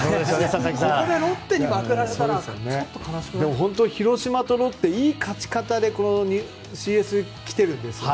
ここでロッテにまくられたら広島とロッテいい勝ち方でＣＳに来てるんです。